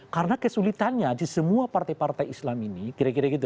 karena kesulitannya di semua partai partai islam ini kira kira gitu